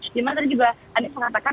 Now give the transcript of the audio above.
cuma tadi juga dhaniap mengatakan